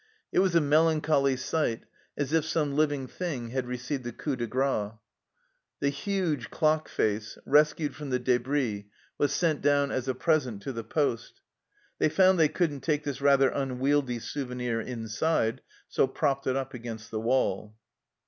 It was a melancholy sight, as if some living thing had received the coup de grace. The huge clock face, rescued from the debris, was sent down as a present to the poste ; they found they couldn't take this rather unwieldy souvenir inside, so propped it up against the wall.